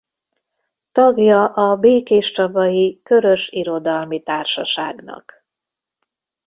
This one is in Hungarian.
Tagja a békéscsabai Körös Irodalmi Társaságnak.